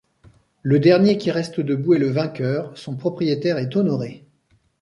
Le dernier qui reste debout est le vainqueur, son propriétaire est honoré.